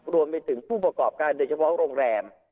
รวมไปถึงผู้ประกอบการโดยเฉพาะโรงแรม